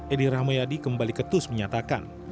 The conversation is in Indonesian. edi rahmayadi kembali ketus menyatakan